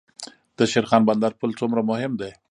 د شیرخان بندر پل څومره مهم دی؟